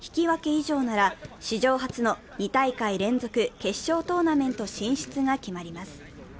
以上なら、史上初の２大会連続決勝トーナメント進出が決まります。